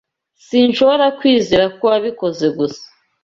Sinshobora kwizera ko wabikoze gusa.